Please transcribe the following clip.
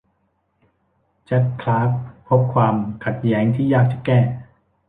จัดจ์คลาร์คพบความขัดแย้งที่ยากจะแก้